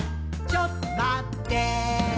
ちょっとまってぇー」